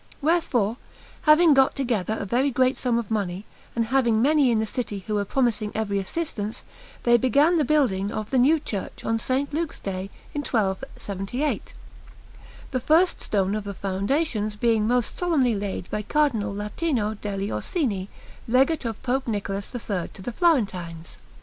Wherefore, having got together a very great sum of money, and having many in the city who were promising every assistance, they began the building of the new church on St. Luke's Day, in 1278; the first stone of the foundations being most solemnly laid by Cardinal Latino degli Orsini, Legate of Pope Nicholas III to the Florentines.